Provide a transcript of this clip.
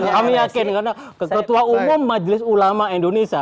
kami yakin karena ketua umum majelis ulama indonesia